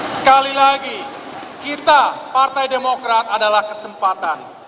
sekali lagi kita partai demokrat adalah kesempatan